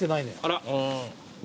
・あら。